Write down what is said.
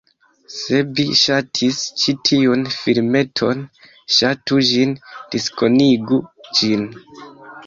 Se vi ŝatis ĉi tiun filmeton, Ŝatu ĝin, diskonigu ĝin